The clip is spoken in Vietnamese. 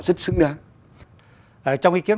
rất xứng đáng trong ý kiến